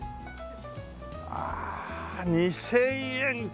ああ２０００円か。